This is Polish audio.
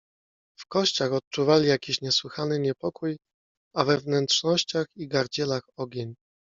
W kościach odczuwali jakiś niesłychany niepokój, a we wnętrznościach i gardzielach ogień.